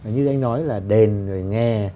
như anh nói là đền rồi nghe